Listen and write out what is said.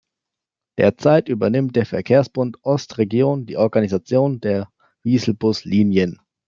Derzeit übernimmt der Verkehrsverbund Ost-Region die Organisation der Wieselbus-Linien.